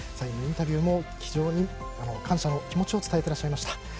インタビューでも非常に感謝の気持ちを伝えていらっしゃいました。